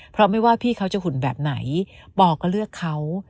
เพราะไม่ว่าพี่เขาจะหุ่นแบบไหนปอก็เลือกเขา